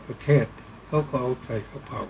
ก็ต้องทำอย่างที่บอกว่าช่องคุณวิชากำลังทำอยู่นั่นนะครับ